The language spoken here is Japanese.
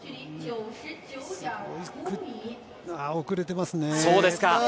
遅れてますね。